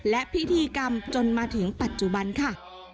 และพิธีกรรมจนมาถึงปัจจุบันค่ะ